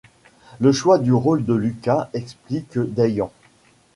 Le choix du rôle de Lucas, explique Dayan.